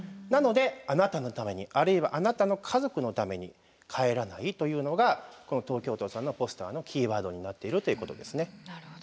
なのであなたのためにあるいはあなたの家族のために帰らないというのがこの東京都さんのポスターのキーワードになっているということですね。